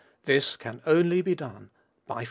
This can only be done by faith.